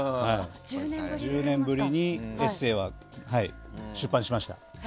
１０年ぶりにエッセーは出版しました。